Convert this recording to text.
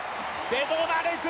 ベドナレク